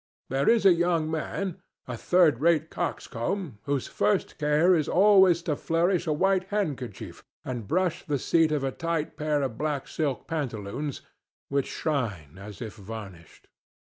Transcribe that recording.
There is a young man, a third rate coxcomb, whose first care is always to flourish a white handkerchief and brush the seat of a tight pair of black silk pantaloons which shine as if varnished.